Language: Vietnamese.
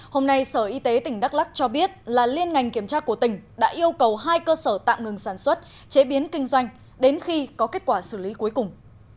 hôm nay sở y tế tỉnh đắk lắc cho biết là liên ngành kiểm tra của tỉnh đã yêu cầu hai cơ sở tạm ngừng sản xuất chế biến kinh doanh đến khi có kết quả xử lý cuối cùng